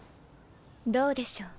どうでしょう？